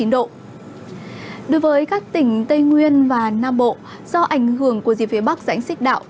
đối với các tỉnh tây nguyên và nam bộ do ảnh hưởng của dịp phía bắc giãnh xích đạo